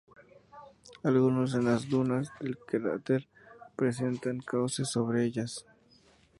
Algunos de las dunas del cráter presentan causes sobre ellas.